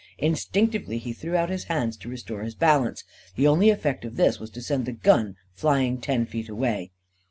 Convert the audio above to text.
Instinctively, he threw out his hands to restore his balance. The only effect of this was to send the gun flying ten feet away.